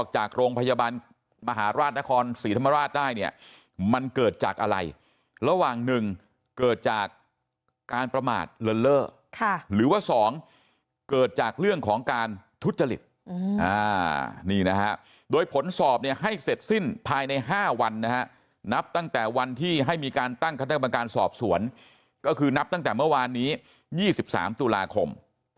จากอะไรระหว่างหนึ่งเกิดจากการประมาทเราเลอร์ค่ะหรือว่าสองเกิดจากเรื่องของการทุชฎฤทธิ์อานี่นะฮะโดยผลสอบเนี่ยให้เสร็จสิ้นภายใน๕วันนะฮะนับตั้งแต่วันที่ให้มีการตั้งคาดกรรมการสอบสวนก็คือนับตั้งแต่เมื่อวานนี้๒๓ตุลาคม